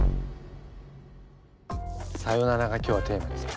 さよならが今日はテーマですか。